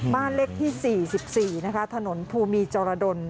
บ้านเลขที่๔๔นะคะถนนภูมีจรดล